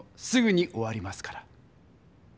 すぐに終わりますから。